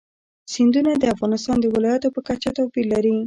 سیندونه د افغانستان د ولایاتو په کچه توپیر لري.